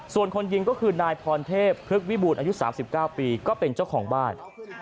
ส่วนคนยิงก็คือนายพรเทพพฤกษวิบูรณ์อายุ๓๙ปีก็เป็นเจ้าของบ้าน